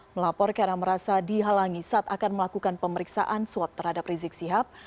melapor karena merasa dihalangi saat akan melakukan pemeriksaan swab terhadap rizik sihab